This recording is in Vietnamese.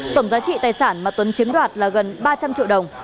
tổng giá trị tài sản mà tuấn chiếm đoạt là gần ba trăm linh triệu đồng